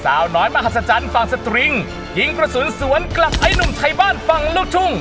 สาวน้อยมหัศจรรย์ฝั่งสตริงยิงกระสุนสวนกลับไอ้หนุ่มไทยบ้านฝั่งลูกทุ่ง